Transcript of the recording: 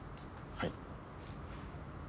はい。